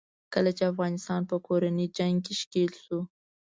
کله چې افغانستان په کورني جنګ کې ښکېل شو.